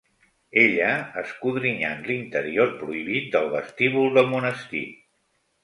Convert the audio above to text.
Ella, escodrinyant l'interior prohibit del vestíbul del monestir.